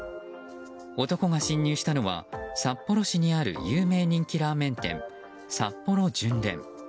男が侵入したのは札幌市にある有名人気ラーメン店さっぽろ純連。